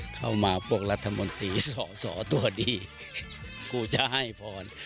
เข้ามาพวกรัฐมนตรีสะสะตัวดีกูจะให้ฟอม